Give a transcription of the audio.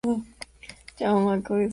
Fue un sitio ceremonial del preclásico.